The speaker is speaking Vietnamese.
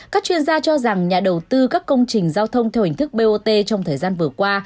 các chuyên gia cho rằng nhà đầu tư các công trình giao thông theo hình thức bot trong thời gian vừa qua